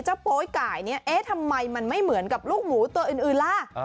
โป๊ยไก่เนี่ยเอ๊ะทำไมมันไม่เหมือนกับลูกหมูตัวอื่นล่ะ